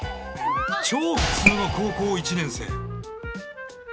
超普通の高校１年生。